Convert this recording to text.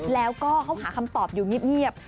แล้วก็เขาหาคำตอบอยู่เงียบ